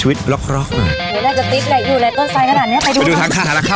อีกแล้วก็ยังทำอะไร